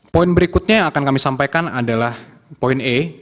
poin berikutnya yang akan kami sampaikan adalah poin e